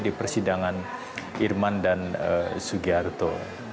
di persidangan irman dan sugiharto